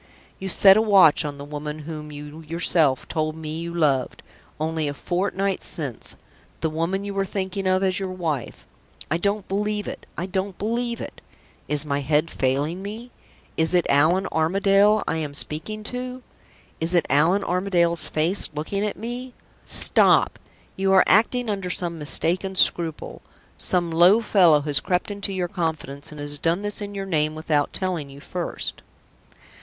You set a watch on the woman whom you yourself told me you loved, only a fortnight since the woman you were thinking of as your wife! I don't believe it; I won't believe it. Is my head failing me? Is it Allan Armadale I am speaking to? Is it Allan Armadale's face looking at me? Stop! you are acting under some mistaken scruple. Some low fellow has crept into your confidence, and has done this in your name without telling you first."